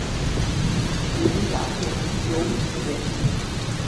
তিনি রাখেন চৌ শুরেন।